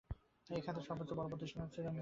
এ খাতের সবচেয়ে বড় প্রতিষ্ঠান হচ্ছে রহিমআফরোজ।